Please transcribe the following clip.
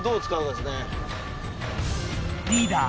リーダー